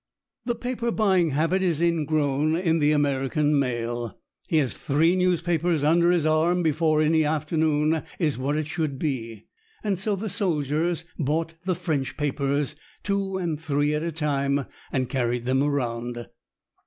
The paper buying habit is ingrown in the American male. He has three newspapers under his arm before any afternoon is what it should be. And so the soldiers bought the French papers, two and three at a time, and carried them around.